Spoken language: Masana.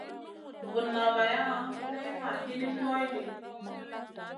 Vunna vaya nay ma hinim goy ɗi.